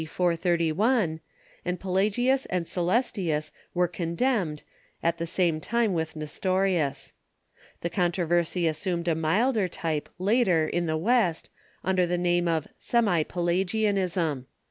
431, and Pelagius and Coelestius were con demned, at the same time with Nestorius. The controversy assumed a milder type, later, in the West, under the name of semi Pelagianism.